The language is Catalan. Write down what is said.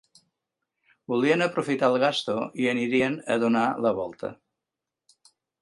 Volien aprofitar el gasto, i anirien a donar la volta.